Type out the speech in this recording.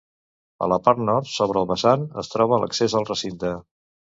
A la part nord sobre el vessant es troba l'accés al recinte.